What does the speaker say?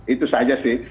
itu saja sih